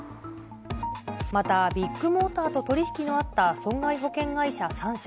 また、ビッグモーターと取り引きのあった損害保険会社３社。